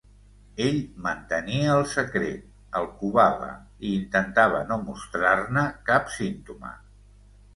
Ell mantenia el secret, el covava, i intentava no mostrar-ne cap símptoma.